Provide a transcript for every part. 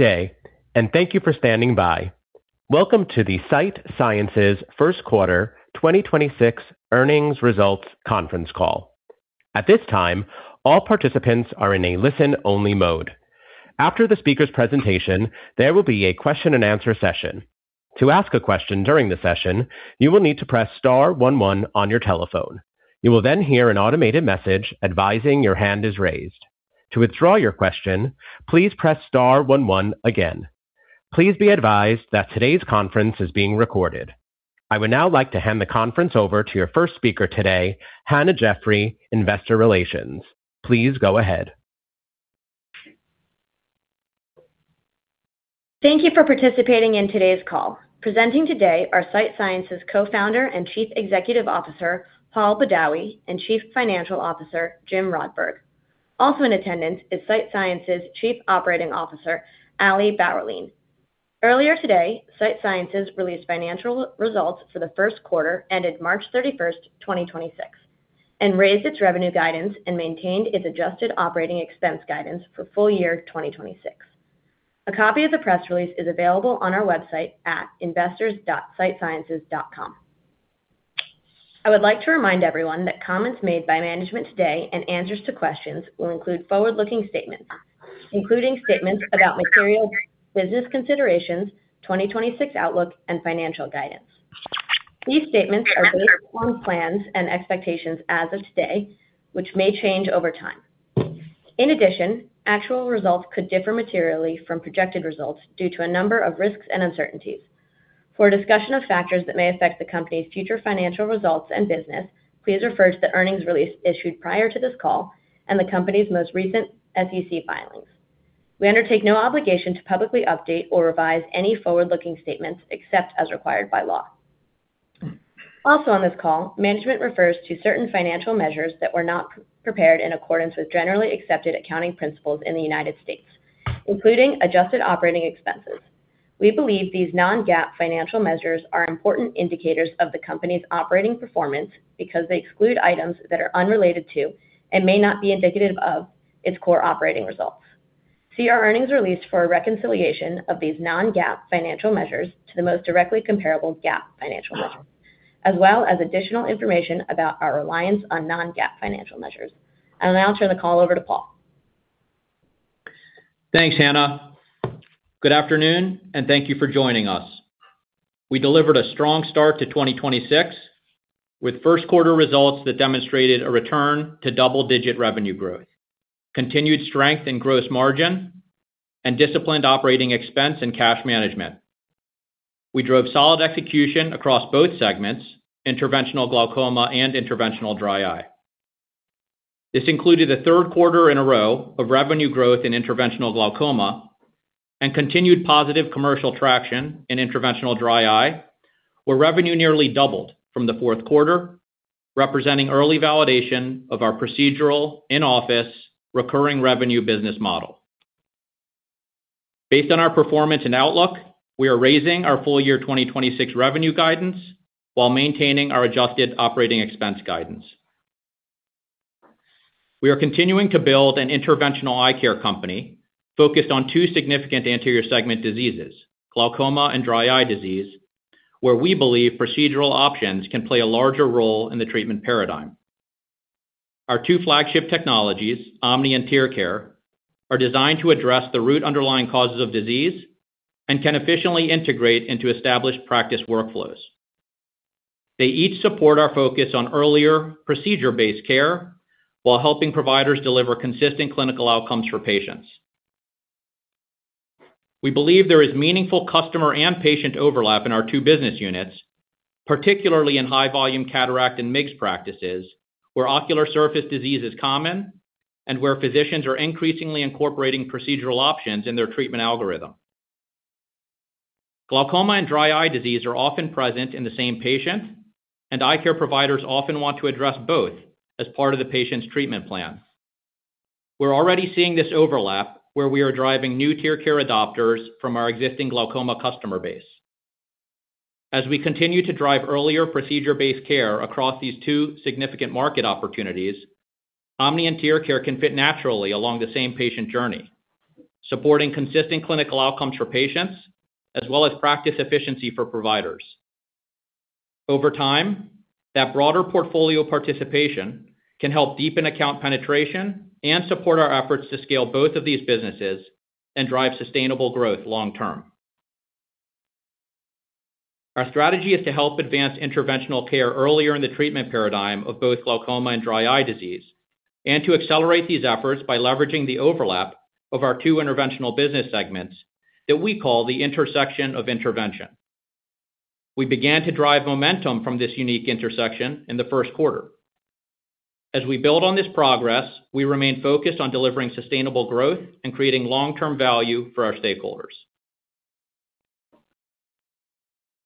Day. Thank you for standing by. Welcome to the Sight Sciences first quarter 2026 earnings results conference call. At this time, all participants are in a listen-only mode. After the speaker's presentation, there will be a question-and-answer session. To ask a question during the session, you will need to press star one one on your telephone. You will then hear an automated message advising your hand is raised. To withdraw your question, please press star one one again. Please be advised that today's conference is being recorded. I would now like to hand the conference over to your first speaker today, Hannah Jeffrey, Investor Relations. Please go ahead. Thank you for participating in today's call. Presenting today are Sight Sciences Co-Founder and Chief Executive Officer, Paul Badawi, and Chief Financial Officer, Jim Rodberg. Also in attendance is Sight Sciences Chief Operating Officer, Ali Bauerlein. Earlier today, Sight Sciences released financial results for the first quarter ended March 31, 2026, and raised its revenue guidance and maintained its adjusted operating expense guidance for full year 2026. A copy of the press release is available on our website at investors.sightsciences.com. I would like to remind everyone that comments made by management today and answers to questions will include forward-looking statements, including statements about material business considerations, 2026 outlook, and financial guidance. These statements are based on plans and expectations as of today, which may change over time. In addition, actual results could differ materially from projected results due to a number of risks and uncertainties. For a discussion of factors that may affect the company's future financial results and business, please refer to the earnings release issued prior to this call and the company's most recent SEC filings. We undertake no obligation to publicly update or revise any forward-looking statements except as required by law. Also on this call, management refers to certain financial measures that were not prepared in accordance with generally accepted accounting principles in the United States, including adjusted operating expenses. We believe these non-GAAP financial measures are important indicators of the company's operating performance because they exclude items that are unrelated to and may not be indicative of its core operating results. See our earnings release for a reconciliation of these non-GAAP financial measures to the most directly comparable GAAP financial measures, as well as additional information about our reliance on non-GAAP financial measures. I will now turn the call over to Paul. Thanks, Hannah. Good afternoon, and thank you for joining us. We delivered a strong start to 2026 with first quarter results that demonstrated a return to double-digit revenue growth, continued strength in gross margin, and disciplined operating expense and cash management. We drove solid execution across both segments, Interventional Glaucoma and Interventional Dry Eye. This included a third quarter in a row of revenue growth in interventional glaucoma and continued positive commercial traction in interventional dry eye, where revenue nearly doubled from the 4th quarter, representing early validation of our procedural in-office recurring revenue business model. Based on our performance and outlook, we are raising our full year 2026 revenue guidance while maintaining our adjusted operating expense guidance. We are continuing to build an interventional eye care company focused on two significant anterior segment diseases, glaucoma and dry eye disease, where we believe procedural options can play a larger role in the treatment paradigm. Our two flagship technologies, OMNI and TearCare, are designed to address the root underlying causes of disease and can efficiently integrate into established practice workflows. They each support our focus on earlier procedure-based care while helping providers deliver consistent clinical outcomes for patients. We believe there is meaningful customer and patient overlap in our two business units, particularly in high volume cataract and MIGS practices, where ocular surface disease is common and where physicians are increasingly incorporating procedural options in their treatment algorithm. Glaucoma and dry eye disease are often present in the same patient, and eye care providers often want to address both as part of the patient's treatment plan. We're already seeing this overlap where we are driving new TearCare adopters from our existing glaucoma customer base. As we continue to drive earlier procedure-based care across these two significant market opportunities, OMNI and TearCare can fit naturally along the same patient journey, supporting consistent clinical outcomes for patients as well as practice efficiency for providers. Over time, that broader portfolio participation can help deepen account penetration and support our efforts to scale both of these businesses and drive sustainable growth long term. Our strategy is to help advance interventional care earlier in the treatment paradigm of both glaucoma and dry eye disease and to accelerate these efforts by leveraging the overlap of our two interventional business segments that we call the intersection of intervention. We began to drive momentum from this unique intersection in the first quarter. As we build on this progress, we remain focused on delivering sustainable growth and creating long-term value for our stakeholders.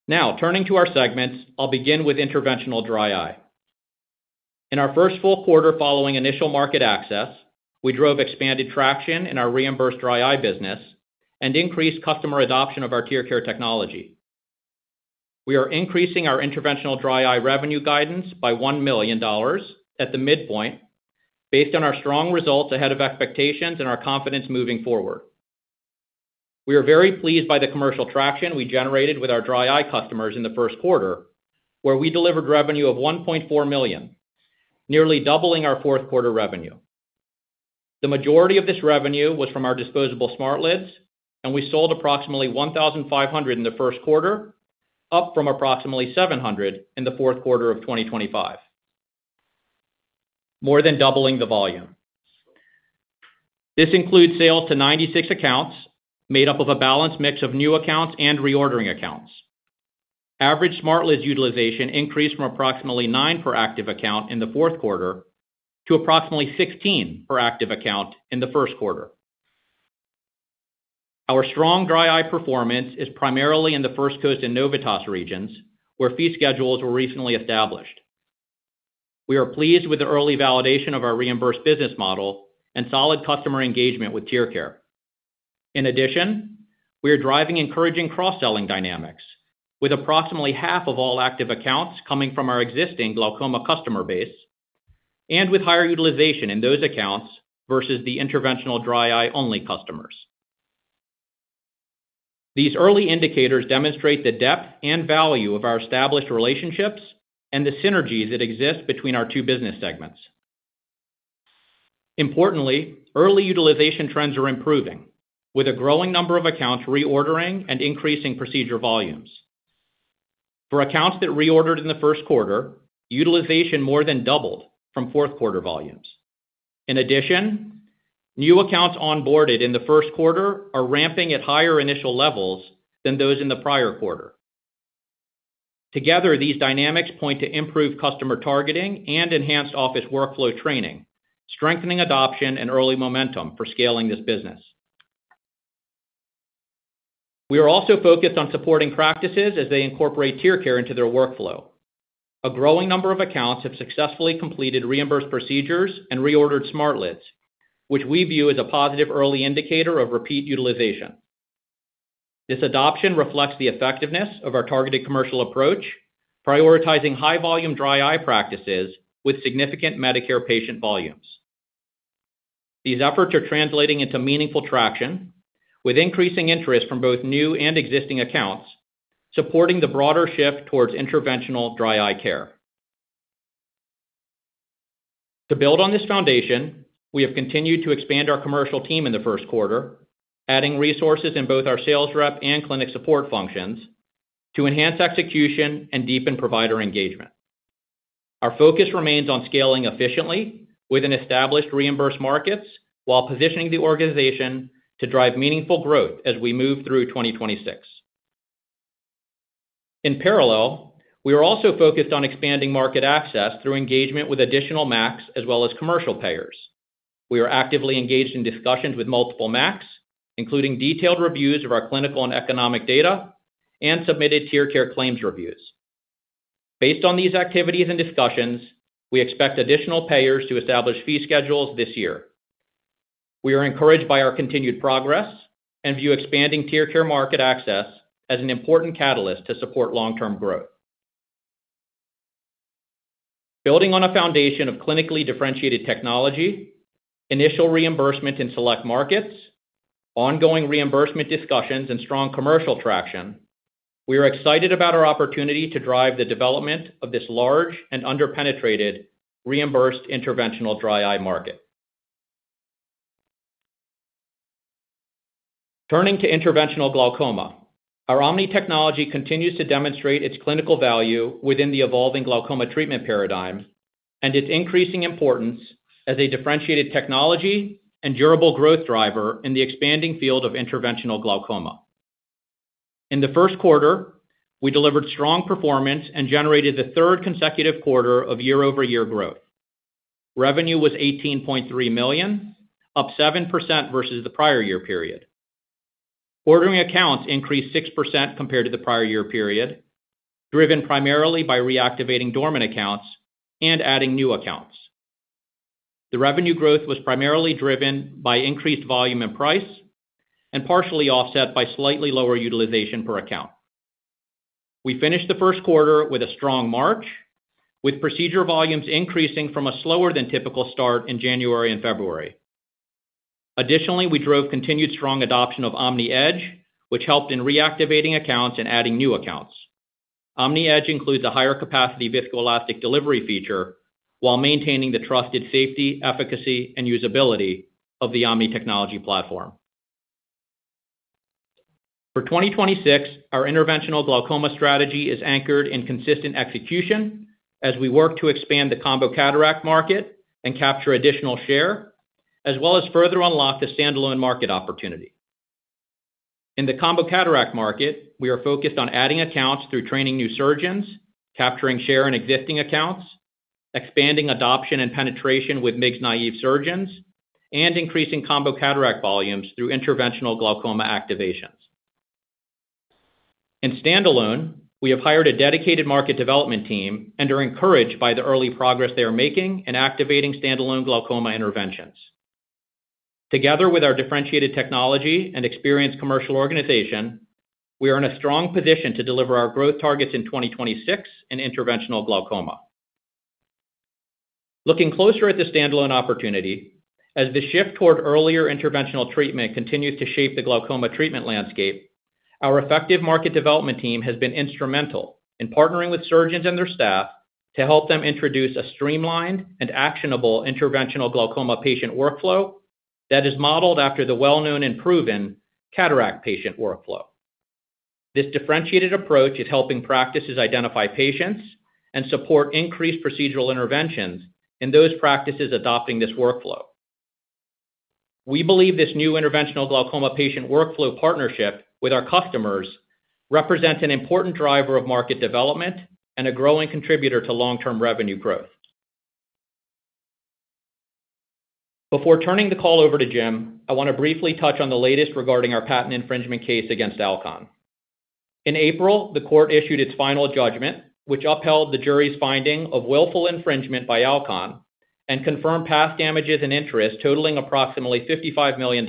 Now, turning to our segments, I'll begin with Interventional Dry Eye. In our first full quarter following initial market access, we drove expanded traction in our reimbursed dry eye business and increased customer adoption of our TearCare technology. We are increasing our Interventional Dry Eye revenue guidance by $1 million at the midpoint based on our strong results ahead of expectations and our confidence moving forward. We are very pleased by the commercial traction we generated with our dry eye customers in the first quarter, where we delivered revenue of $1.4 million, nearly doubling our fourth quarter revenue. The majority of this revenue was from our disposable SmartLids, and we sold approximately 1,500 in the first quarter, up from approximately 700 in the fourth quarter of 2025. More than doubling the volume. This includes sales to 96 accounts made up of a balanced mix of new accounts and reordering accounts. Average SmartLids utilization increased from approximately nine per active account in the fourth quarter to approximately 16 per active account in the first quarter. Our strong dry eye performance is primarily in the First Coast and Novitas regions, where fee schedules were recently established. We are pleased with the early validation of our reimbursed business model and solid customer engagement with TearCare. In addition, we are driving encouraging cross-selling dynamics with approximately half of all active accounts coming from our existing glaucoma customer base and with higher utilization in those accounts versus the interventional dry eye only customers. These early indicators demonstrate the depth and value of our established relationships and the synergies that exist between our two business segments. Importantly, early utilization trends are improving, with a growing number of accounts reordering and increasing procedure volumes. For accounts that reordered in the first quarter, utilization more than doubled from fourth quarter volumes. In addition, new accounts onboarded in the first quarter are ramping at higher initial levels than those in the prior quarter. Together, these dynamics point to improved customer targeting and enhanced office workflow training, strengthening adoption and early momentum for scaling this business. We are also focused on supporting practices as they incorporate TearCare into their workflow. A growing number of accounts have successfully completed reimbursed procedures and reordered SmartLids, which we view as a positive early indicator of repeat utilization. This adoption reflects the effectiveness of our targeted commercial approach, prioritizing high volume dry eye practices with significant Medicare patient volumes. These efforts are translating into meaningful traction with increasing interest from both new and existing accounts, supporting the broader shift towards interventional dry eye care. To build on this foundation, we have continued to expand our commercial team in the first quarter, adding resources in both our sales rep and clinic support functions to enhance execution and deepen provider engagement. Our focus remains on scaling efficiently within established reimbursed markets while positioning the organization to drive meaningful growth as we move through 2026. In parallel, we are also focused on expanding market access through engagement with additional MACs as well as commercial payers. We are actively engaged in discussions with multiple MACs, including detailed reviews of our clinical and economic data and submitted TearCare claims reviews. Based on these activities and discussions, we expect additional payers to establish fee schedules this year. We are encouraged by our continued progress and view expanding TearCare market access as an important catalyst to support long-term growth. Building on a foundation of clinically differentiated technology, initial reimbursement in select markets, ongoing reimbursement discussions, and strong commercial traction, we are excited about our opportunity to drive the development of this large and under-penetrated reimbursed interventional dry eye market. Turning to interventional glaucoma, our OMNI technology continues to demonstrate its clinical value within the evolving glaucoma treatment paradigm and its increasing importance as a differentiated technology and durable growth driver in the expanding field of interventional glaucoma. In the first quarter, we delivered strong performance and generated the third consecutive quarter of year-over-year growth. Revenue was $18.3 million, up 7% versus the prior year period. Ordering accounts increased 6% compared to the prior year period, driven primarily by reactivating dormant accounts and adding new accounts. The revenue growth was primarily driven by increased volume and price, and partially offset by slightly lower utilization per account. We finished the first quarter with a strong March, with procedure volumes increasing from a slower than typical start in January and February. Additionally, we drove continued strong adoption of OMNI Edge, which helped in reactivating accounts and adding new accounts. OMNI Edge includes a higher capacity viscoelastic delivery feature while maintaining the trusted safety, efficacy, and usability of the OMNI technology platform. For 2026, our interventional glaucoma strategy is anchored in consistent execution as we work to expand the combo cataract market and capture additional share, as well as further unlock the standalone market opportunity. In the combo cataract market, we are focused on adding accounts through training new surgeons, capturing share in existing accounts, expanding adoption and penetration with MIGS naive surgeons, and increasing combo cataract volumes through interventional glaucoma activations. In standalone, we have hired a dedicated market development team and are encouraged by the early progress they are making in activating standalone glaucoma interventions. Together with our differentiated technology and experienced commercial organization, we are in a strong position to deliver our growth targets in 2026 in interventional glaucoma. Looking closer at the standalone opportunity, as the shift toward earlier interventional treatment continues to shape the glaucoma treatment landscape, our effective market development team has been instrumental in partnering with surgeons and their staff to help them introduce a streamlined and actionable interventional glaucoma patient workflow that is modeled after the well-known and proven cataract patient workflow. This differentiated approach is helping practices identify patients and support increased procedural interventions in those practices adopting this workflow. We believe this new interventional glaucoma patient workflow partnership with our customers represents an important driver of market development and a growing contributor to long-term revenue growth. Before turning the call over to Jim, I want to briefly touch on the latest regarding our patent infringement case against Alcon. In April, the court issued its final judgment, which upheld the jury's finding of willful infringement by Alcon and confirmed past damages and interest totaling approximately $55 million,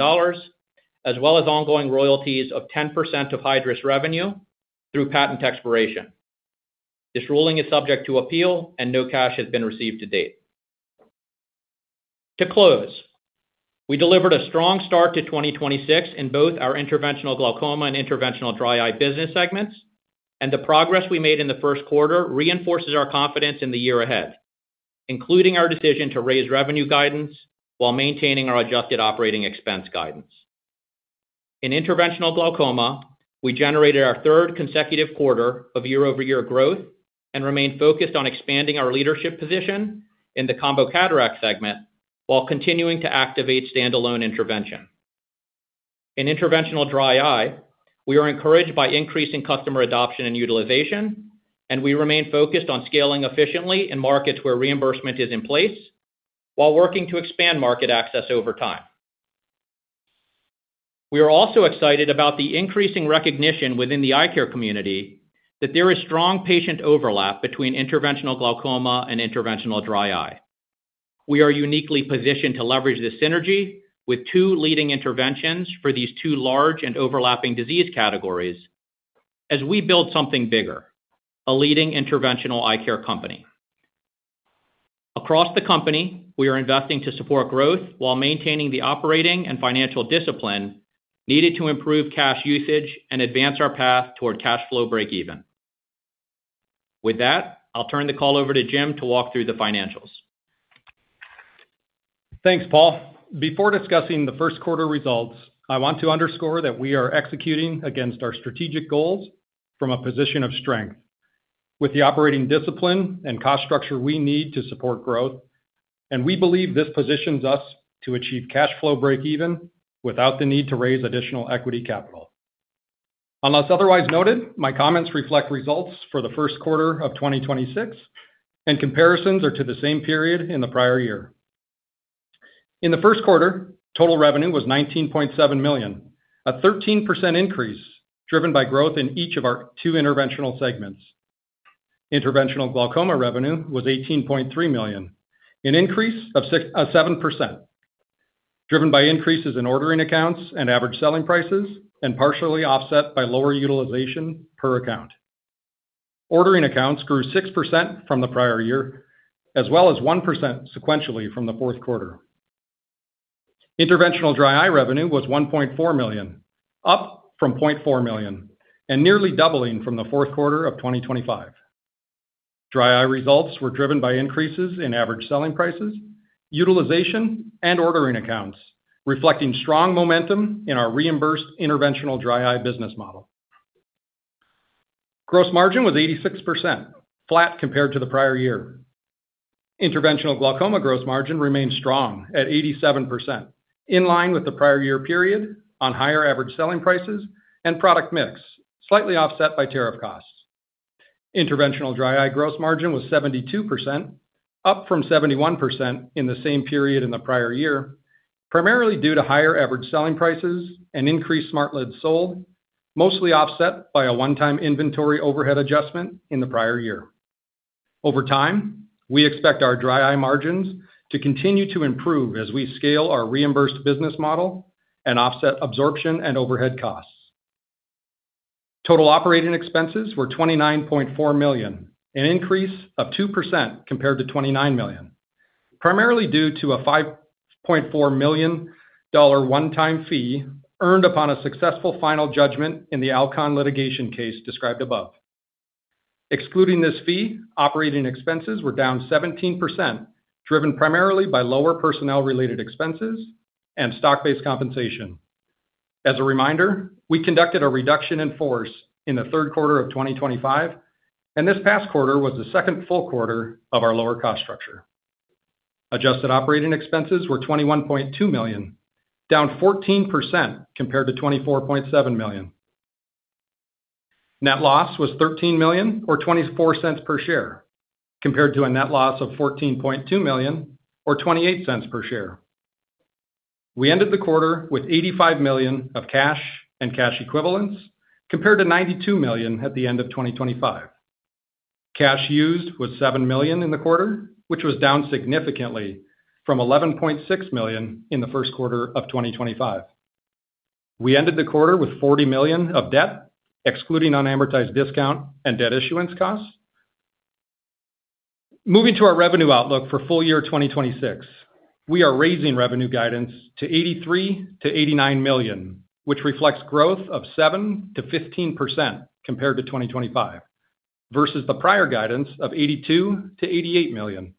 as well as ongoing royalties of 10% of Hydrus revenue through patent expiration. This ruling is subject to appeal, and no cash has been received to date. To close, we delivered a strong start to 2026 in both our interventional glaucoma and interventional dry eye business segments, and the progress we made in the first quarter reinforces our confidence in the year ahead, including our decision to raise revenue guidance while maintaining our adjusted operating expense guidance. In Interventional Glaucoma, we generated our third consecutive quarter of year-over-year growth and remain focused on expanding our leadership position in the combo cataract segment while continuing to activate standalone intervention. In Interventional Dry Eye, we are encouraged by increasing customer adoption and utilization, and we remain focused on scaling efficiently in markets where reimbursement is in place while working to expand market access over time. We are also excited about the increasing recognition within the eye care community that there is strong patient overlap between interventional glaucoma and interventional dry eye. We are uniquely positioned to leverage this synergy with two leading interventions for these two large and overlapping disease categories as we build something bigger, a leading interventional eye care company. Across the company, we are investing to support growth while maintaining the operating and financial discipline needed to improve cash usage and advance our path toward cash flow breakeven. With that, I'll turn the call over to Jim to walk through the financials. Thanks, Paul. Before discussing the first quarter results, I want to underscore that we are executing against our strategic goals from a position of strength. With the operating discipline and cost structure we need to support growth, and we believe this positions us to achieve cash flow breakeven without the need to raise additional equity capital. Unless otherwise noted, my comments reflect results for the first quarter of 2026, and comparisons are to the same period in the prior year. In the first quarter, total revenue was $19.7 million, a 13% increase driven by growth in each of our two Interventional segments. Interventional Glaucoma revenue was $18.3 million, an increase of 7%, driven by increases in ordering accounts and average selling prices, and partially offset by lower utilization per account. Ordering accounts grew 6% from the prior year, as well as 1% sequentially from the fourth quarter. Interventional Dry Eye revenue was $1.4 million, up from $0.4 million, and nearly doubling from the fourth quarter of 2025. Dry eye results were driven by increases in average selling prices, utilization, and ordering accounts, reflecting strong momentum in our reimbursed interventional dry eye business model. Gross margin was 86%, flat compared to the prior year. Interventional Glaucoma gross margin remained strong at 87%, in line with the prior year period on higher average selling prices and product mix, slightly offset by tariff costs. Interventional Dry Eye gross margin was 72%, up from 71% in the same period in the prior year, primarily due to higher average selling prices and increased SmartLids sold, mostly offset by a one-time inventory overhead adjustment in the prior year. Over time, we expect our dry eye margins to continue to improve as we scale our reimbursed business model and offset absorption and overhead costs. Total operating expenses were $29.4 million, an increase of 2% compared to $29 million, primarily due to a $5.4 million one-time fee earned upon a successful final judgment in the Alcon litigation case described above. Excluding this fee, operating expenses were down 17%, driven primarily by lower personnel related expenses and stock-based compensation. As a reminder, we conducted a reduction in force in the third quarter of 2025, and this past quarter was the second full quarter of our lower cost structure. Adjusted operating expenses were $21.2 million, down 14% compared to $24.7 million. Net loss was $13 million or $0.24 per share, compared to a net loss of $14.2 million or $0.28 per share. We ended the quarter with $85 million of cash and cash equivalents compared to $92 million at the end of 2025. Cash used was $7 million in the quarter, which was down significantly from $11.6 million in the first quarter of 2025. We ended the quarter with $40 million of debt, excluding unamortized discount and debt issuance costs. Moving to our revenue outlook for full year 2026. We are raising revenue guidance to $83 million-$89 million, which reflects growth of 7%-15% compared to 2025, versus the prior guidance of $82 million-$88 million.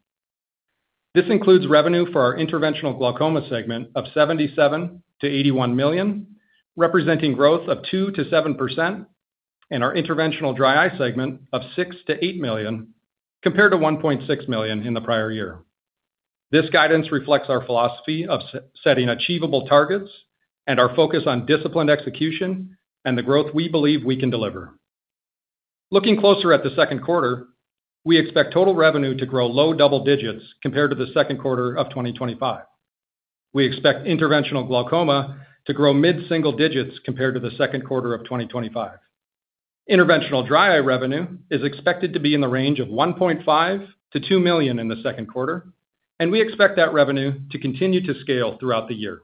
This includes revenue for our Interventional Glaucoma segment of $77 million-$81 million, representing growth of 2%-7%, and our Interventional Dry Eye segment of $6 million-$8 million, compared to $1.6 million in the prior year. This guidance reflects our philosophy of setting achievable targets and our focus on disciplined execution and the growth we believe we can deliver. Looking closer at the second quarter, we expect total revenue to grow low double digits compared to the second quarter of 2025. We expect Interventional Glaucoma to grow mid-single digits compared to the second quarter of 2025. Interventional Dry Eye revenue is expected to be in the range of $1.5 million-$2 million in the second quarter, and we expect that revenue to continue to scale throughout the year.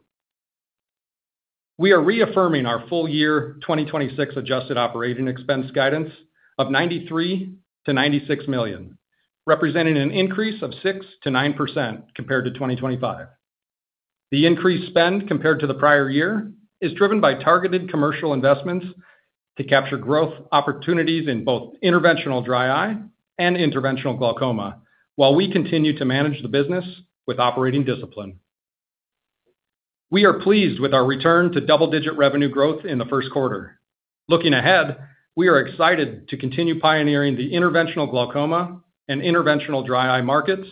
We are reaffirming our full year 2026 adjusted operating expense guidance of $93 million-$96 million, representing an increase of 6%-9% compared to 2025. The increased spend compared to the prior year is driven by targeted commercial investments to capture growth opportunities in both interventional dry eye and interventional glaucoma while we continue to manage the business with operating discipline. We are pleased with our return to double-digit revenue growth in the first quarter. Looking ahead, we are excited to continue pioneering the interventional glaucoma and interventional dry eye markets,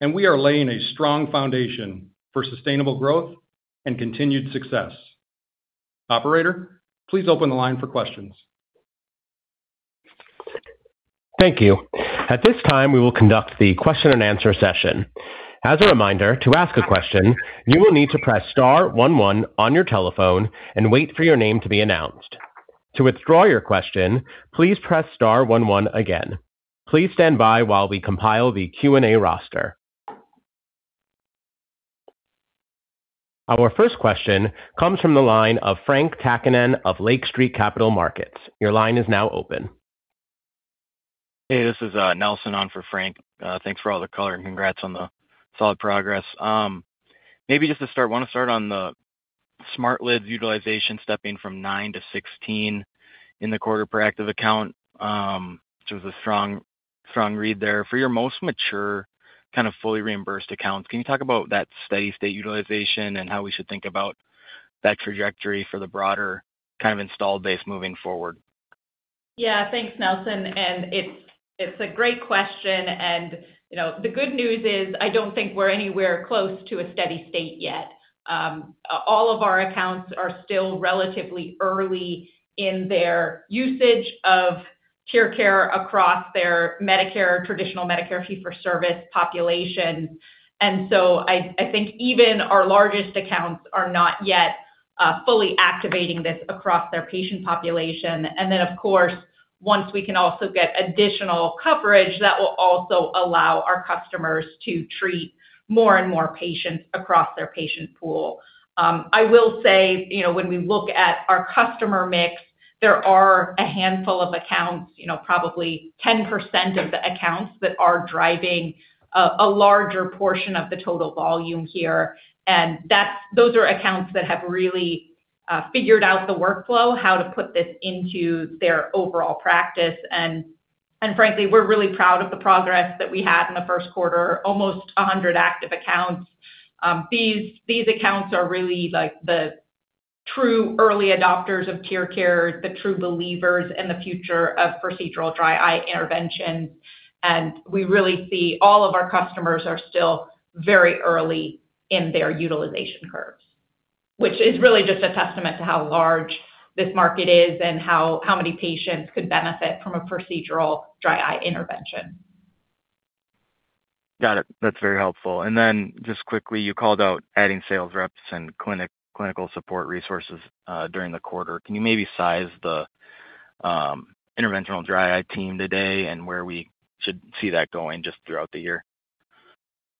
and we are laying a strong foundation for sustainable growth and continued success. Operator, please open the line for questions. Thank you. At this time, we will conduct the question and answer session. As a reminder, to ask a question, you will need to press star one one on your telephone and wait for your name to be announced. To withdraw your question, please press star one one again. Please stand by while we compile the Q&A roster. Our first question comes from the line of Frank Takkinen of Lake Street Capital Markets. Your line is now open. Hey, this is Nelson on for Frank. Thanks for all the color and congrats on the solid progress. Maybe just to start, want to start on the SmartLids utilization stepping from nine to 16 in the quarter per active account, which was a strong read there. For your most mature kind of fully reimbursed accounts, can you talk about that steady state utilization and how we should think about that trajectory for the broader kind of installed base moving forward? Thanks, Nelson, it's a great question. All of our accounts are still relatively early in their usage of TearCare across their Medicare, traditional Medicare fee for service population. I think even our largest accounts are not yet fully activating this across their patient population. Of course, once we can also get additional coverage, that will also allow our customers to treat more and more patients across their patient pool. I will say, you know, when we look at our customer mix, there are a handful of accounts, you know, probably 10% of the accounts that are driving a larger portion of the total volume here. Those are accounts that have really figured out the workflow, how to put this into their overall practice. Frankly, we're really proud of the progress that we had in the first quarter, almost 100 active accounts. These accounts are really like the true early adopters of TearCare, the true believers in the future of procedural dry eye intervention. We really see all of our customers are still very early in their utilization curves, which is really just a testament to how large this market is and how many patients could benefit from a procedural dry eye intervention. Got it. That's very helpful. Just quickly, you called out adding sales reps and clinical support resources during the quarter. Can you maybe size the interventional dry eye team today and where we should see that going just throughout the year?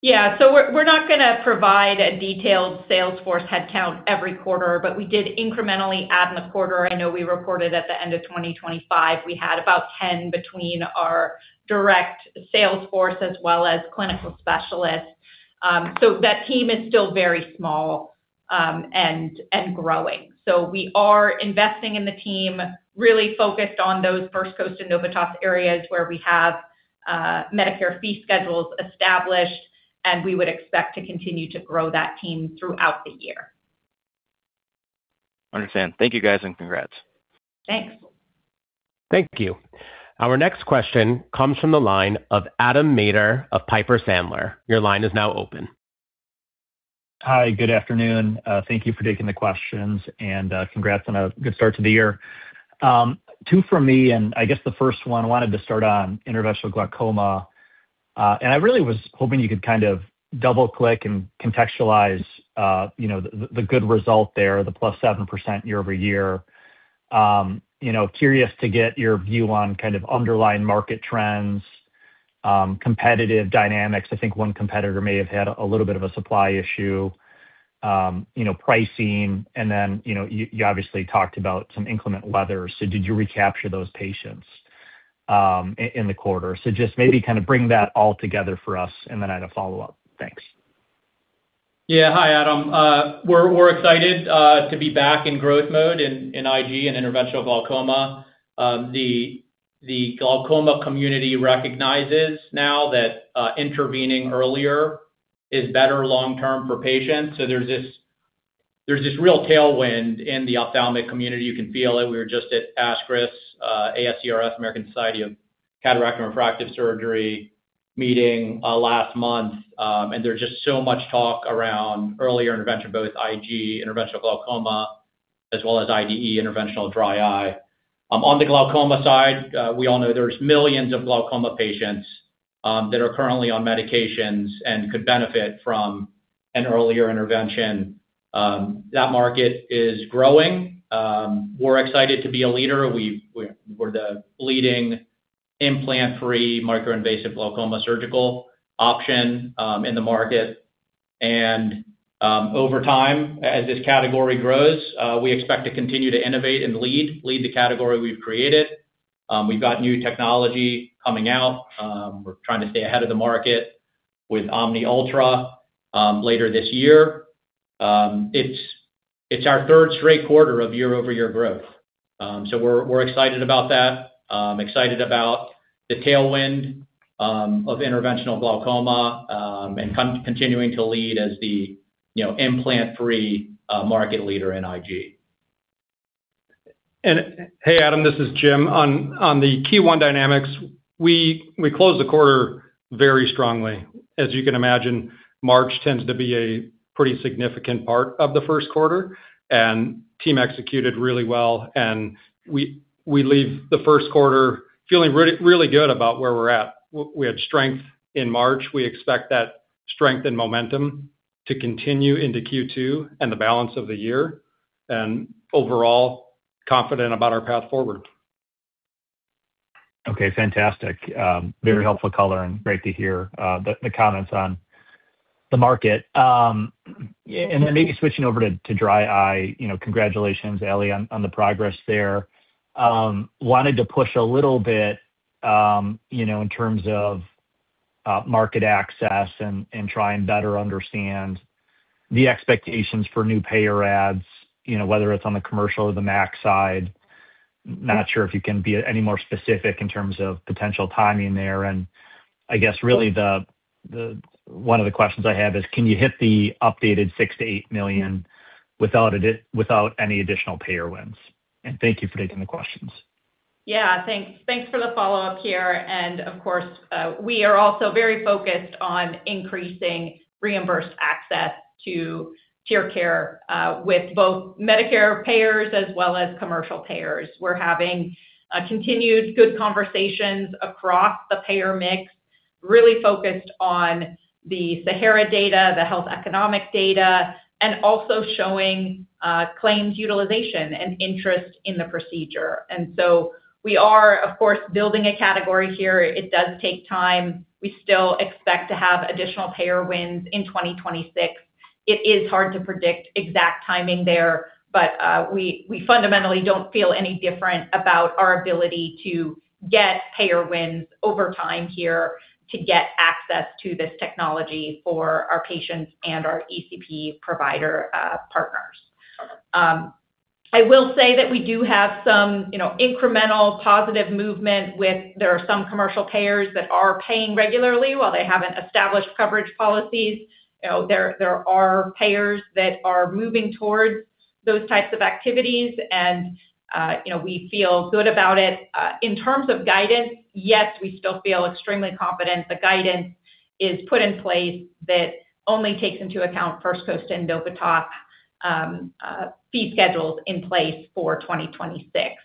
Yeah. We're not going to provide a detailed sales force headcount every quarter, but we did incrementally add in the quarter. I know we reported at the end of 2025, we had about ten between our direct sales force as well as clinical specialists. That team is still very small and growing. We are investing in the team, really focused on those First Coast and Novitas areas where we have Medicare fee schedules established, and we would expect to continue to grow that team throughout the year. Understand. Thank you, guys, and congrats. Thanks. Thank you. Our next question comes from the line of Adam Maeder of Piper Sandler. Your line is now open. Hi. Good afternoon. Thank you for taking the questions and congrats on a good start to the year. Two from me. I guess the first one, I wanted to start on interventional glaucoma. And I really was hoping you could kind of double-click and contextualize, you know, the good result there, the +7% year-over-year. You know, curious to get your view on kind of underlying market trends, competitive dynamics. I think one competitor may have had a little bit of a supply issue, you know, pricing, and then, you know, you obviously talked about some inclement weather. Did you recapture those patients in the quarter? Just maybe kind of bring that all together for us, and then I had a follow-up. Thanks. Yeah. Hi, Adam. We're excited to be back in growth mode in IG, in interventional glaucoma. The glaucoma community recognizes now that intervening earlier is better long-term for patients. There's this real tailwind in the ophthalmic community. You can feel it. We were just at ASCRS, ASCRS, American Society of Cataract and Refractive Surgery meeting last month. There's just so much talk around earlier intervention, both IG, interventional glaucoma, as well as IDE, interventional dry eye. On the glaucoma side, we all know there's millions of glaucoma patients that are currently on medications and could benefit from an earlier intervention. That market is growing. We're excited to be a leader. We're the leading implant-free, micro-invasive glaucoma surgical option in the market. Over time, as this category grows, we expect to continue to innovate and lead the category we've created. We've got new technology coming out. We're trying to stay ahead of the market with OMNI Ultra later this year. It's our third straight quarter of year-over-year growth. We're excited about that. Excited about the tailwind of interventional glaucoma and continuing to lead as the, you know, implant-free market leader in IG. Hey, Adam, this is Jim. On the Q1 dynamics, we closed the quarter very strongly. As you can imagine, March tends to be a pretty significant part of the first quarter, and team executed really well, and we leave the first quarter feeling really, really good about where we're at. We had strength in March. We expect that strength and momentum to continue into Q2 and the balance of the year, and overall, confident about our path forward. Okay, fantastic. Very helpful color and great to hear the comments on the market. Then maybe switching over to dry eye, you know, congratulations, Ali, on the progress there. Wanted to push a little bit, you know, in terms of market access and try and better understand the expectations for new payer adds, you know, whether it's on the commercial or the MACs side. Not sure if you can be any more specific in terms of potential timing there. I guess really one of the questions I have is can you hit the updated $6 million-$8 million without any additional payer wins? Thank you for taking the questions. Yeah. Thanks. Thanks for the follow-up here. Of course, we are also very focused on increasing reimbursed access to TearCare with both Medicare payers as well as commercial payers. We're having continued good conversations across the payer mix, really focused on the SAHARA data, the health economic data, and also showing claims utilization and interest in the procedure. We are, of course, building a category here. It does take time. We still expect to have additional payer wins in 2026. It is hard to predict exact timing there, but we fundamentally don't feel any different about our ability to get payer wins over time here to get access to this technology for our patients and our ECP provider partners. I will say that we do have some, you know, incremental positive movement. There are some commercial payers that are paying regularly while they haven't established coverage policies. You know, there are payers that are moving towards those types of activities, and, you know, we feel good about it. In terms of guidance, yes, we still feel extremely confident. The guidance is put in place that only takes into account First Coast and Novitas fee schedules in place for 2026.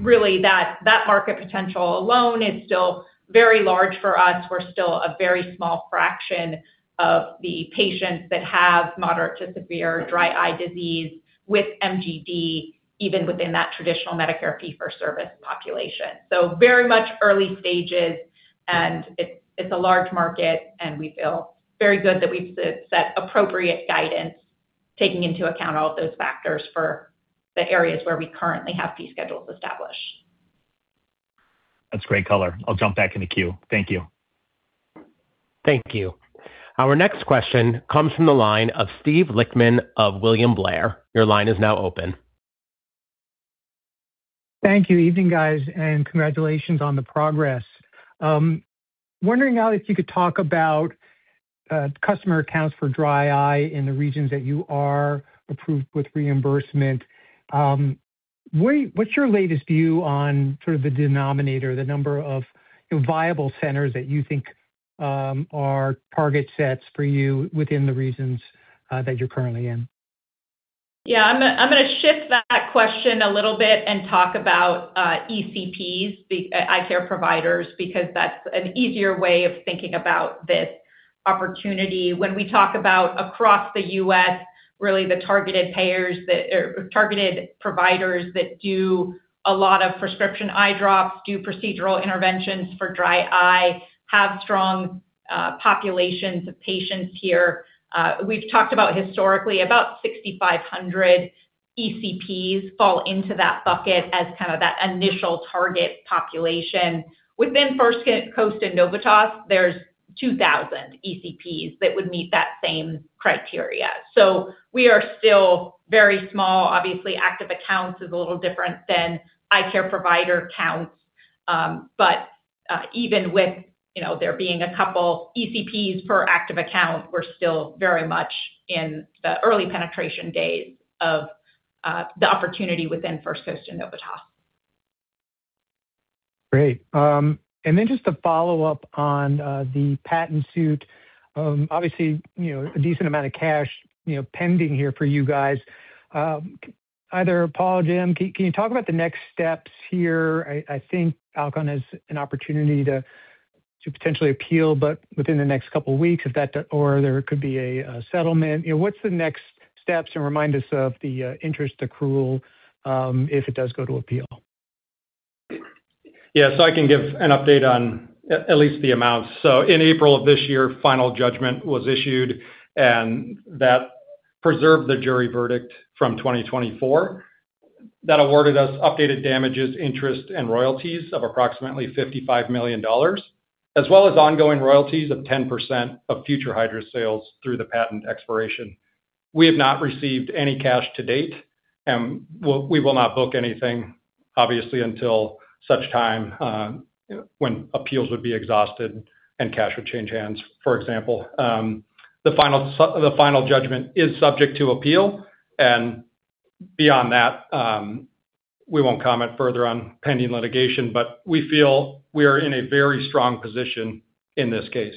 Really that market potential alone is still very large for us. We're still a very small fraction of the patients that have moderate to severe dry eye disease with MGD, even within that traditional Medicare fee for service population. Very much early stages, and it's a large market, and we feel very good that we've set appropriate guidance, taking into account all of those factors for the areas where we currently have fee schedules established. That's great color. I'll jump back in the queue. Thank you. Thank you. Our next question comes from the line of Steve Lichtman of William Blair. Your line is now open. Thank you. Evening, guys, and congratulations on the progress. Wondering, Ali, if you could talk about customer accounts for dry eye in the regions that you are approved with reimbursement. What's your latest view on sort of the denominator, the number of viable centers that you think are target sets for you within the regions that you're currently in? I'm gonna shift that question a little bit and talk about ECPs, Eye Care Providers, because that's an easier way of thinking about this opportunity. When we talk about across the U.S., really the targeted payers or targeted providers that do a lot of prescription eye drops, do procedural interventions for dry eye, have strong populations of patients here. We've talked about historically about 6,500 ECPs fall into that bucket as kind of that initial target population. Within First Coast and Novitas, there's 2,000 ECPs that would meet that same criteria. We are still very small. Obviously, active accounts is a little different than Eye Care Provider counts. Even with, you know, there being a couple ECPs per active account, we're still very much in the early penetration days of the opportunity within First Coast and Novitas. Great. Just to follow up on the patent suit. Obviously, you know, a decent amount of cash, you know, pending here for you guys. Either Paul or Jim, can you talk about the next steps here? I think Alcon has an opportunity to potentially appeal, but within the next couple weeks if that or there could be a settlement. You know, what's the next steps? Remind us of the interest accrual if it does go to appeal. I can give an update on at least the amounts. In April of this year, final judgment was issued, and that preserved the jury verdict from 2024. That awarded us updated damages, interest, and royalties of approximately $55 million, as well as ongoing royalties of 10% of future Hydrus sales through the patent expiration. We have not received any cash to date, and we will not book anything, obviously, until such time, when appeals would be exhausted and cash would change hands, for example. The final judgment is subject to appeal. Beyond that, we won't comment further on pending litigation. We feel we are in a very strong position in this case.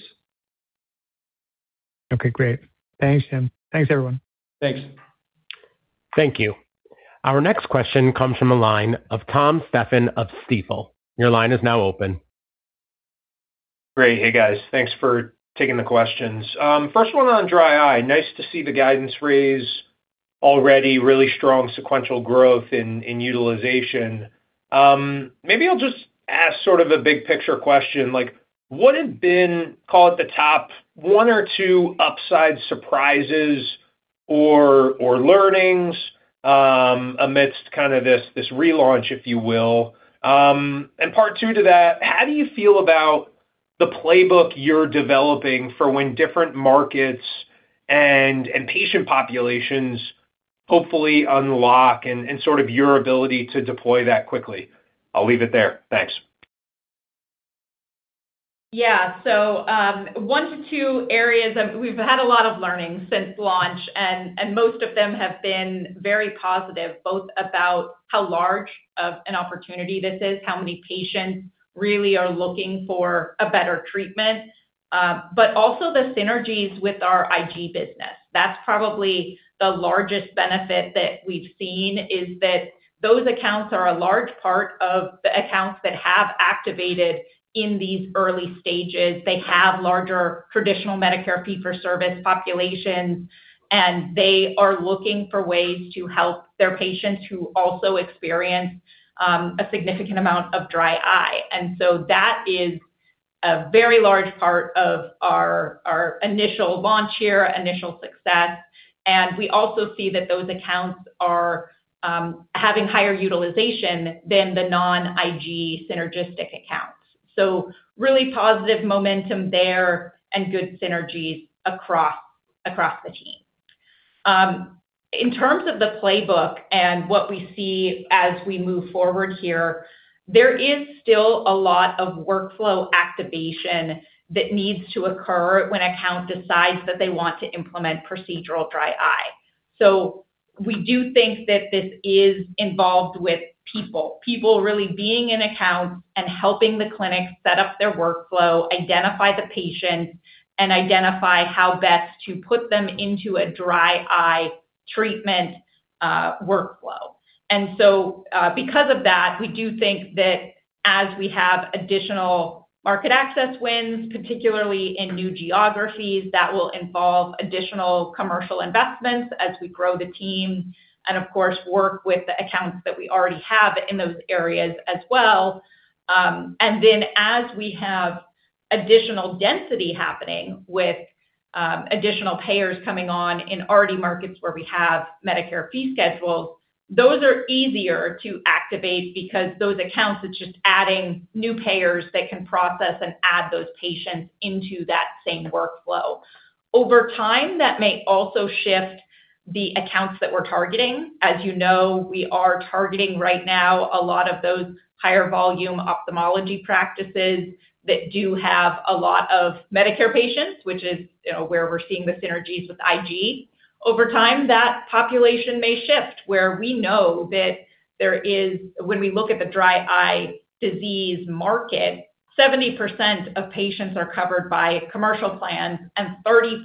Okay, great. Thanks, Jim. Thanks, everyone. Thanks. Thank you. Our next question comes from the line of Tom Stephan of Stifel. Your line is now open. Great. Hey, guys. Thanks for taking the questions. First one on dry eye. Nice to see the guidance raise already really strong sequential growth in utilization. Maybe I'll just ask sort of a big picture question. Like, what have been, call it the top one or two upside surprises or learnings, amidst kind of this relaunch, if you will? Part two to that, how do you feel about the playbook you're developing for when different markets and patient populations hopefully unlock and sort of your ability to deploy that quickly? I'll leave it there. Thanks. One to two areas of—we've had a lot of learnings since launch, and most of them have been very positive, both about how large of an opportunity this is, how many patients really are looking for a better treatment, but also the synergies with our IG business. That's probably the largest benefit that we've seen, is that those accounts are a large part of the accounts that have activated in these early stages. They have larger traditional Medicare fee-for-service populations, and they are looking for ways to help their patients who also experience a significant amount of dry eye. That is a very large part of our initial launch here, initial success. We also see that those accounts are having higher utilization than the non-IG synergistic accounts. Really positive momentum there and good synergies across the team. In terms of the playbook and what we see as we move forward here, there is still a lot of workflow activation that needs to occur when account decides that they want to implement procedural dry eye. We do think that this is involved with people really being in accounts and helping the clinic set up their workflow, identify the patients, and identify how best to put them into a dry eye treatment workflow. Because of that, we do think that as we have additional market access wins, particularly in new geographies, that will involve additional commercial investments as we grow the team and, of course, work with the accounts that we already have in those areas as well. As we have additional density happening with additional payers coming on in already markets where we have Medicare fee schedules, those are easier to activate because those accounts, it's just adding new payers that can process and add those patients into that same workflow. Over time, that may also shift the accounts that we're targeting. As you know, we are targeting right now a lot of those higher volume ophthalmology practices that do have a lot of Medicare patients, which is, you know, where we're seeing the synergies with IG. Over time, that population may shift where we know that there is when we look at the dry eye disease market, 70% of patients are covered by commercial plans, and 30%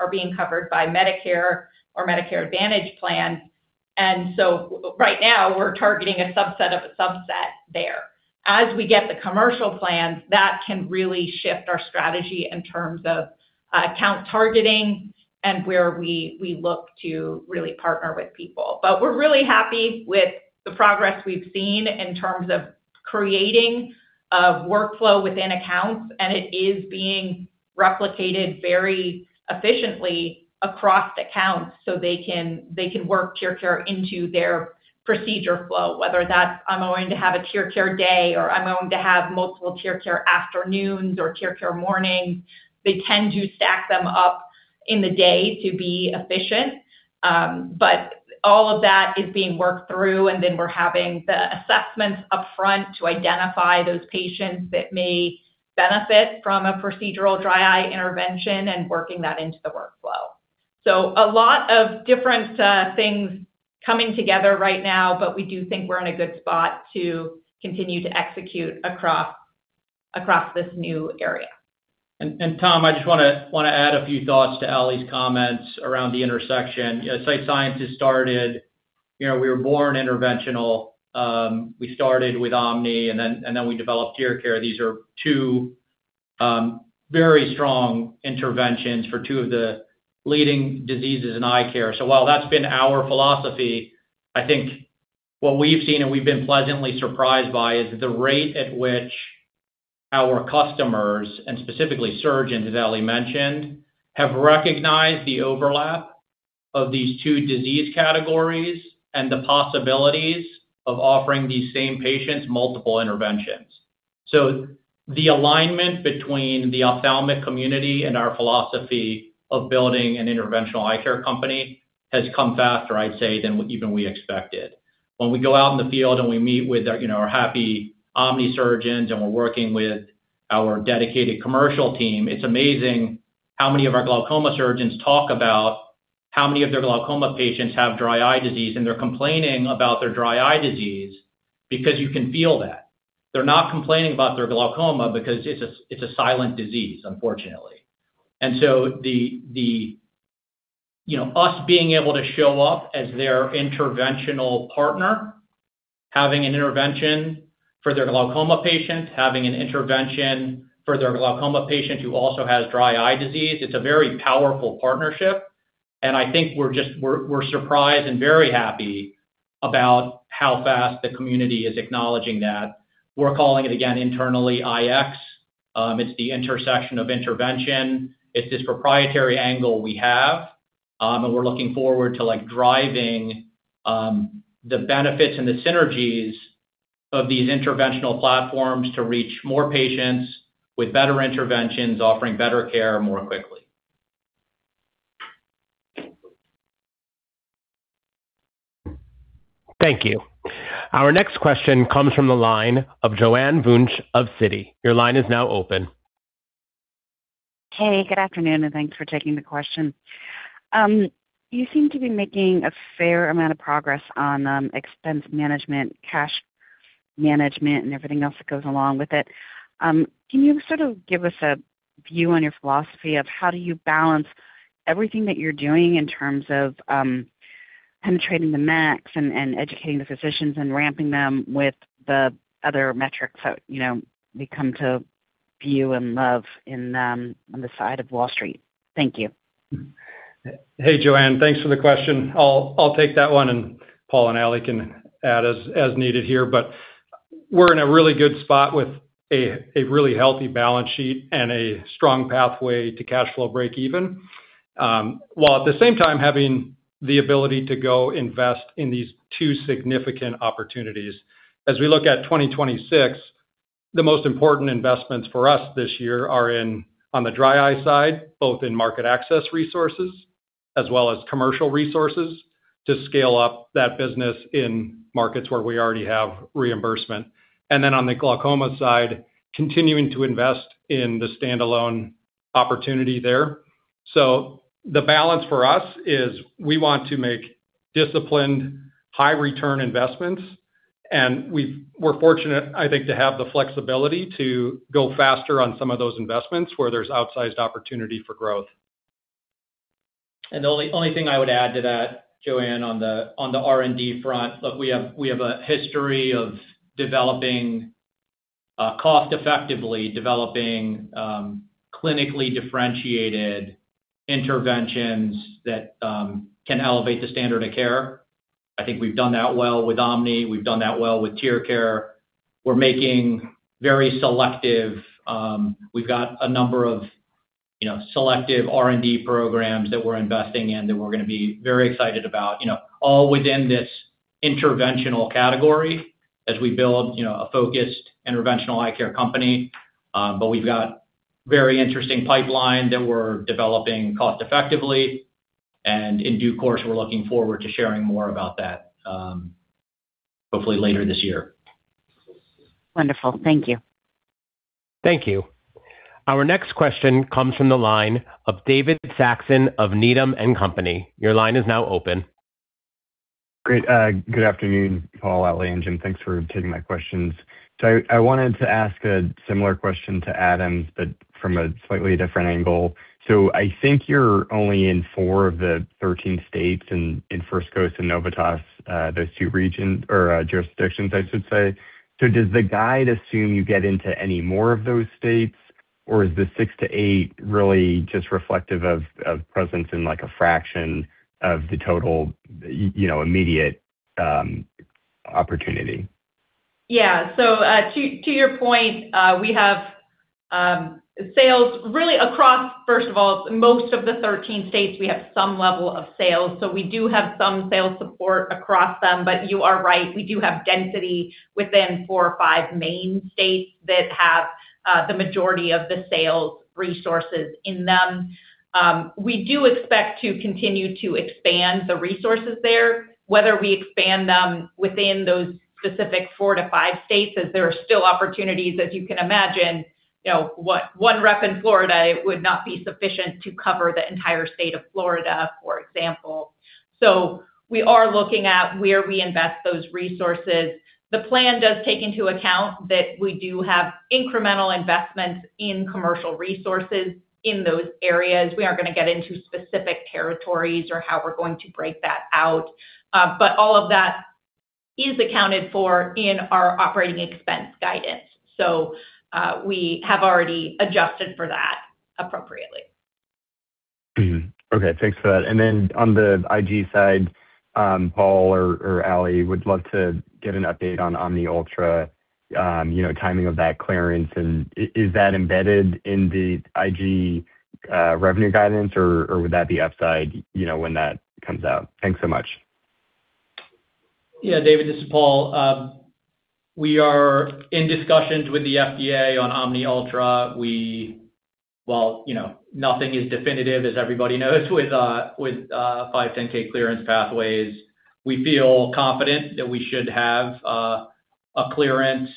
are being covered by Medicare or Medicare Advantage plans. Right now we're targeting a subset of a subset there. As we get the commercial plans, that can really shift our strategy in terms of account targeting and where we look to really partner with people. We're really happy with the progress we've seen in terms of creating a workflow within accounts, and it is being replicated very efficiently across accounts so they can work TearCare into their procedure flow, whether that's I'm going to have a TearCare day or I'm going to have multiple TearCare afternoons or TearCare mornings. They tend to stack them up in the day to be efficient. All of that is being worked through, we're having the assessments upfront to identify those patients that may benefit from a procedural dry eye intervention and working that into the workflow. A lot of different things coming together right now, but we do think we're in a good spot to continue to execute across this new area. Tom, I just want to add a few thoughts to Ali's comments around the intersection. As Sight Sciences has started, you know, we were born interventional. We started with OMNI, and then we developed TearCare. These are two very strong interventions for two of the leading diseases in eye care. While that's been our philosophy, I think what we've seen and we've been pleasantly surprised by is the rate at which our customers, and specifically surgeons, as Ali mentioned, have recognized the overlap of these two disease categories and the possibilities of offering these same patients multiple interventions. The alignment between the ophthalmic community and our philosophy of building an interventional eye care company has come faster, I'd say, than even we expected. When we go out in the field and we meet with our, you know, our happy OMNI surgeons and we're working with our dedicated commercial team, it's amazing how many of our glaucoma surgeons talk about how many of their glaucoma patients have dry eye disease, and they're complaining about their dry eye disease because you can feel that. They're not complaining about their glaucoma because it's a silent disease, unfortunately. So the, you know, us being able to show up as their interventional partner, having an intervention for their glaucoma patient, having an intervention for their glaucoma patient who also has dry eye disease, it's a very powerful partnership. I think we're just surprised and very happy about how fast the community is acknowledging that. We're calling it, again, internally IX. It's the intersection of intervention. It's this proprietary angle we have. We're looking forward to, like, driving the benefits and the synergies of these interventional platforms to reach more patients with better interventions, offering better care more quickly. Thank you. Our next question comes from the line of Joanne Wuensch of Citi. Your line is now open. Hey, good afternoon, and thanks for taking the question. You seem to be making a fair amount of progress on expense management, cash management, and everything else that goes along with it. Can you sort of give us a view on your philosophy of how do you balance everything that you're doing in terms of penetrating the MACs and educating the physicians and ramping them with the other metrics that, you know, we come to view and love in on the side of Wall Street? Thank you. Hey, Joanne. Thanks for the question. I'll take that one, Paul and Ali can add as needed here. We're in a really good spot with a really healthy balance sheet and a strong pathway to cash flow break even, while at the same time having the ability to go invest in these two significant opportunities. As we look at 2026, the most important investments for us this year are on the dry eye side, both in market access resources as well as commercial resources to scale up that business in markets where we already have reimbursement. On the glaucoma side, continuing to invest in the standalone opportunity there. The balance for us is we want to make disciplined, high return investments, and we're fortunate, I think, to have the flexibility to go faster on some of those investments where there's outsized opportunity for growth. The only thing I would add to that, Joanne, on the R&D front. Look, we have a history of developing cost-effectively developing clinically differentiated interventions that can elevate the standard of care. I think we've done that well with OMNI. We've done that well with TearCare. We've got a number of, you know, selective R&D programs that we're investing in that we're gonna be very excited about, you know, all within this interventional category as we build, you know, a focused interventional eye care company. We've got very interesting pipeline that we're developing cost-effectively, and in due course, we're looking forward to sharing more about that, hopefully later this year. Wonderful. Thank you. Thank you. Our next question comes from the line of David Saxon of Needham & Company. Your line is now open. Great. Good afternoon, Paul, Ali, and Jim. Thanks for taking my questions. I wanted to ask a similar question to Adam's, but from a slightly different angle. I think you're only in four of the 13 states in First Coast and Novitas, those two regions or jurisdictions, I should say. Does the guide assume you get into any more of those states, or is the six to eight really just reflective of presence in like a fraction of the total, immediate opportunity? Yeah. To your point, we have sales really across first of all, most of the 13 states, we have some level of sales. We do have some sales support across them. You are right, we do have density within four or five main states that have the majority of the sales resources in them. We do expect to continue to expand the resources there, whether we expand them within those specific four to five states, as there are still opportunities. As you can imagine, you know, one rep in Florida would not be sufficient to cover the entire state of Florida, for example. We are looking at where we invest those resources. The plan does take into account that we do have incremental investments in commercial resources in those areas. We aren't gonna get into specific territories or how we're going to break that out. All of that is accounted for in our operating expense guidance. We have already adjusted for that appropriately. Okay. Thanks for that. On the IG side, Paul or Ali, would love to get an update on OMNI Ultra, you know, timing of that clearance. Is that embedded in the IG revenue guidance, or would that be upside, you know, when that comes out? Thanks so much. Yeah. David, this is Paul. We are in discussions with the FDA on OMNI Ultra. Well, you know, nothing is definitive, as everybody knows, with 510(k) clearance pathways. We feel confident that we should have a clearance,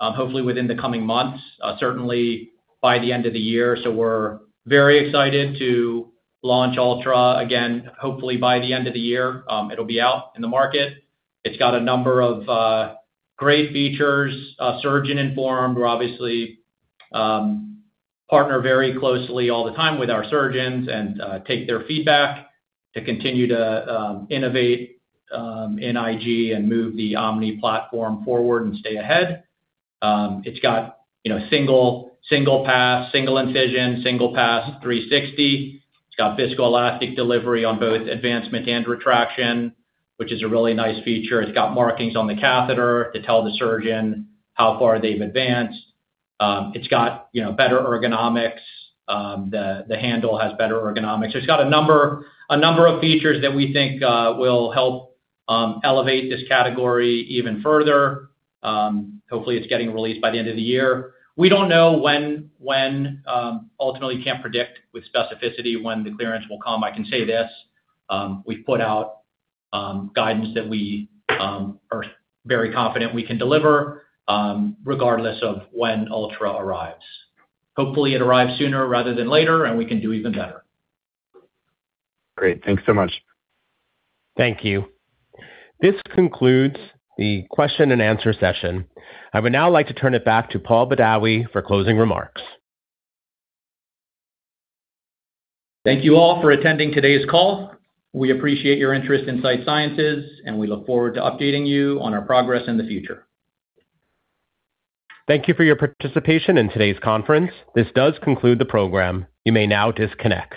hopefully within the coming months, certainly by the end of the year. We're very excited to launch Ultra again, hopefully by the end of the year, it'll be out in the market. It's got a number of great features. Surgeon informed. We're obviously partner very closely all the time with our surgeons and take their feedback to continue to innovate in IG and move the OMNI platform forward and stay ahead. It's got, you know, single pass, single incision, single pass 360. It's got viscoelastic delivery on both advancement and retraction, which is a really nice feature. It's got markings on the catheter to tell the surgeon how far they've advanced. It's got, you know, better ergonomics. The handle has better ergonomics. It's got a number of features that we think will help elevate this category even further. Hopefully it's getting released by the end of the year. We don't know when ultimately can't predict with specificity when the clearance will come. I can say this: we've put out guidance that we are very confident we can deliver regardless of when Ultra arrives. Hopefully it arrives sooner rather than later, we can do even better. Great. Thanks so much. Thank you. This concludes the question and answer session. I would now like to turn it back to Paul Badawi for closing remarks. Thank you all for attending today's call. We appreciate your interest in Sight Sciences, and we look forward to updating you on our progress in the future. Thank you for your participation in today's conference. This does conclude the program. You may now disconnect.